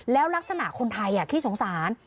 แล้วลักษณะคนไทยขี้สงสาร